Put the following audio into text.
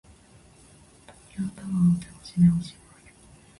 東京タワーを手押しで押します。